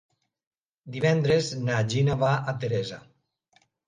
Divendres na Gina va a Teresa.